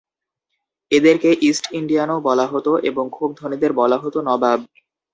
এদেরকে ‘ইস্ট ইন্ডিয়ান’ও বলা হতো এবং খুব ধনীদের বলা হতো ‘নবাব’।